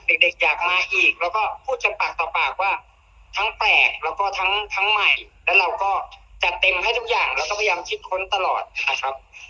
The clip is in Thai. เด็กเด็กอยากมาอีกแล้วก็พูดกันปากต่อปากว่าทั้งแปลกแล้วก็ทั้งใหม่แล้วเราก็จัดเต็มให้ทุกอย่างแล้วก็พยายามคิดค้นตลอดนะครับ